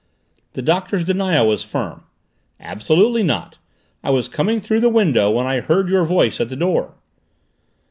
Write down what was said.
The Doctor's denial was firm. "Absolutely not. I was coming through the window when I heard your voice at the door!"